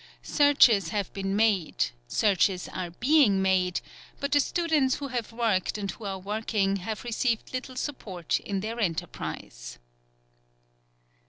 Searches have been made, searches are being made, but the students who have worked and who are working have received little support in their enterprise.